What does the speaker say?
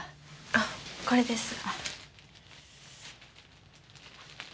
あこれです。